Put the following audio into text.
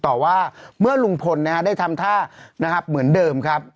ต่อว่าเมื่อลุงพลได้ทำท่านะครับเหมือนเดิมครับ